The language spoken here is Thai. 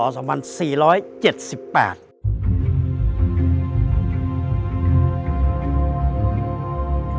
นักศีลประหลาดชีวิตตำรวจงานปมศ๔๗๘